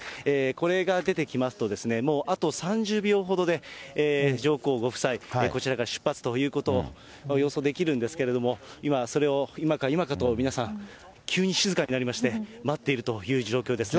これが出てきますとね、もうあと３０秒ほどで上皇ご夫妻、こちらから出発ということ、予想できるんですけれども、今、それを、今か今かと皆さん、急に静かになりまして、待っているという状況ですね。